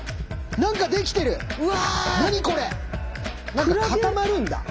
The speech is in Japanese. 何か固まるんだ。